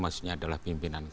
maksudnya adalah pimpinan kpk